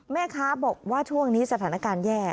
แม่ค้าบอกว่าช่วงนี้สถานการณ์แย่